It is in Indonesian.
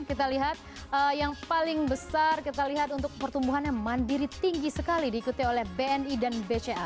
kita lihat yang paling besar kita lihat untuk pertumbuhannya mandiri tinggi sekali diikuti oleh bni dan bca